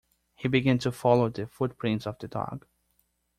He began to follow the footprints of the dog.